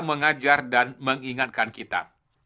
mengajar dan mengingatkan kita